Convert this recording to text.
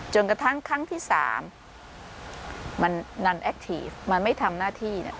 จนกระทั้งครั้งที่สามมันไม่ทำหน้าที่